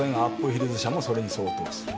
ヒルズ社もそれに相当する。